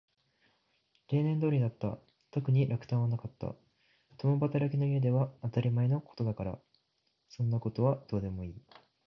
例年通りだった。特に落胆はなかった。共働きの家では当たり前のことだから。